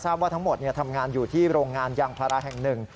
ว่าทั้งหมดทำงานอยู่ที่โรงงานยางพาราแห่งหนึ่ง